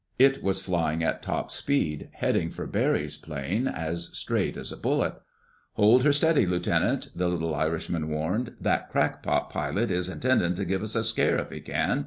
It was flying at top speed, heading for Barry's plane as straight as a bullet. "Hold her steady, Lieutenant," the little Irishman warned. "That crackpot pilot is intendin' to give us a scare if he can.